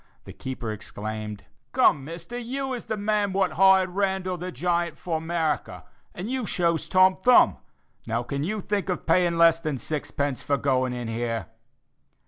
the keeper exclaimed: "Come, Mister, you is the man what hired Randall, the giant, for 'Merika, and you shows Tom Thumb; now can you think of paying less than sixpence for going in here?"